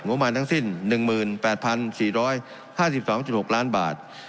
ประมาณทั้งสิ้น๑๘๔๕๒๖ล้านบาท